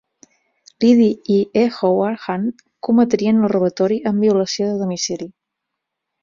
Liddy i E. Howard Hunt cometrien el robatori amb violació de domicili.